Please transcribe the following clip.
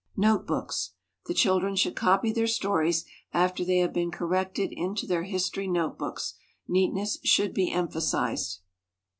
5. Note books. The children should copy their stories after they have been corrected into their history note books. Neatness should be emphasized.